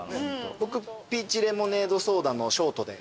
僕ピーチレモネードソーダのＳＨＯＲＴで。